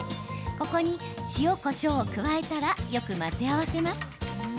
ここに、塩、こしょうを加えたらよく混ぜ合わせます。